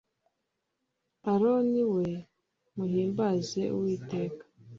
aroni we muhimbaze uwiteka!